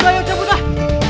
udah yuk jemput lah